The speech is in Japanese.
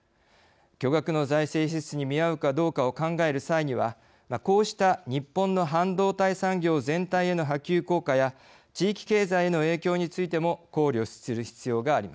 巨額の財政支出に見合うかどうかを考える際にはこうした日本の半導体産業全体への波及効果や地域経済への影響についても考慮する必要があります。